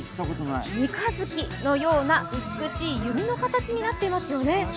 三日月のような美しい弓の形になってますよね。